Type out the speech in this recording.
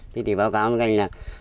thế thì báo cáo với anh là